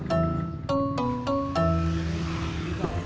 udah mau ngaku kalau dia lagi sakit